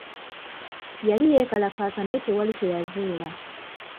Yali yeekalakaasa naye tewali kye yazuula.